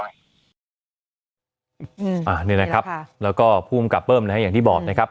นี่นะครับแล้วก็ภูมิกับเบิ้มนะฮะอย่างที่บอกนะครับ